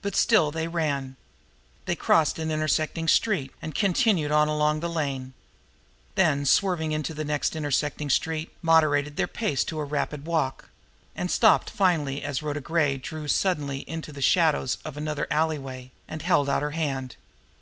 But still they ran. They crossed an intersecting street, and continued on along the lane; then swerving into the next intersecting street, moderated their pace to a rapid walk and stopped finally only as Rhoda Gray drew suddenly into the shadows of another alley way, and held out her hand.